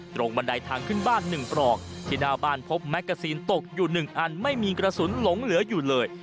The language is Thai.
บันไดทางขึ้นบ้าน๑ปลอกที่หน้าบ้านพบแมกกาซีนตกอยู่๑อันไม่มีกระสุนหลงเหลืออยู่เลย